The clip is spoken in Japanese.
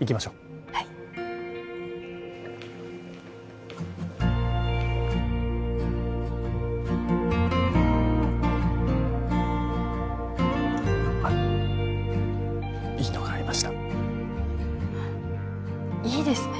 行きましょうはいいいのがありましたいいですね